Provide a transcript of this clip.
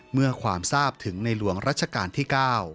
เมื่อความทราบถึงในหลวงรัชกาลที่๙